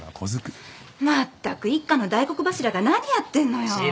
まったく一家の大黒柱が何やってんのよ。